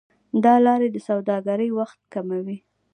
دا لارې د سوداګرۍ وخت کموي.